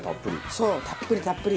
そうたっぷりたっぷり。